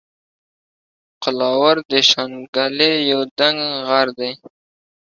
قلاور د شانګلې یو دنګ غر دے